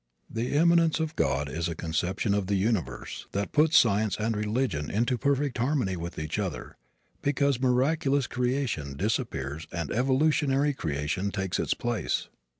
The immanence of God is a conception of the universe that puts science and religion into perfect harmony with each other because miraculous creation disappears and evolutionary creation takes its place.